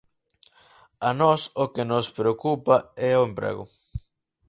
A nós o que nos preocupa é o emprego.